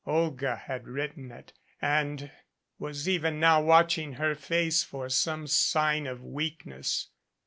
Olga had written it, and was even now watching her face for some sign of weakness.